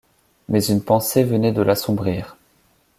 Mais une pensée venait de l’assombrir.